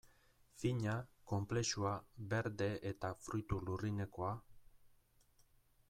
Fina, konplexua, berde eta fruitu lurrinekoa...